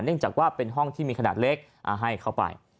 จากว่าเป็นห้องที่มีขนาดเล็กให้เข้าไป